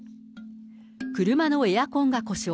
車のエアコンが故障。